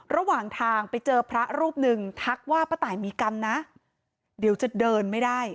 ระหว่างทางไปเจอพระรูปหนึ่งทักว่าป้าตายมีกรรมนะเดี๋ยวจะเดินไม่ได้